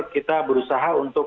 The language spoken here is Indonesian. kita berusaha untuk